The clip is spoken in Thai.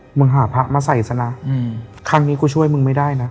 หาพระมาใส่ซะนะครั้งนี้กูช่วยมึงไม่ได้นะ